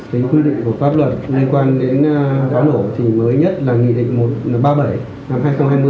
cái quy định của pháp luật liên quan đến pháo nổ thì mới nhất là nghị định một trăm ba mươi bảy năm hai nghìn hai mươi